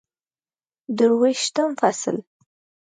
درویشتم فصل